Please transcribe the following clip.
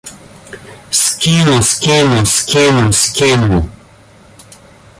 Скину, скину, скину, скину!